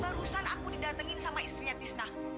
barusan aku didatengin sama istrinya tisnah